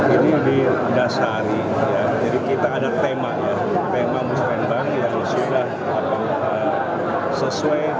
ini di dasari jadi kita ada tema tema musrembang yang sudah sesuai